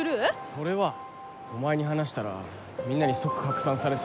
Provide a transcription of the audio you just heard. それはお前に話したらみんなに即拡散されそうで。